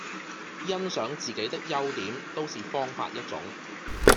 欣賞自己的優點都是方法一種